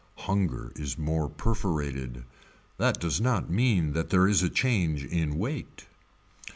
Hunger is more perforated. That does not mean that there is a change in weight.